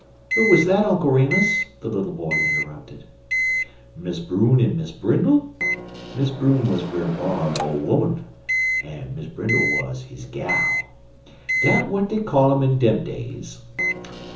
"Who was that, Uncle Remus?" the little boy interrupted. "Miss Brune en Miss Brindle? Miss Brune wuz Brer B'ar's ole 'oman, en Miss Brindle wuz his gal. Dat w'at dey call um in dem days.